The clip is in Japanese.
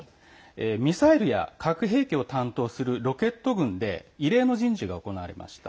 ミサイルや核兵器を担当するロケット軍で異例の人事が行われました。